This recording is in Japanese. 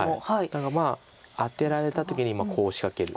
だからアテられた時にコウを仕掛ける。